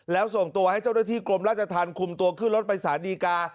แล้วส่งตัวให้เจ้าหน้าที่กรมราชธรรมคุมตัวขึ้นรถไปสารดีกา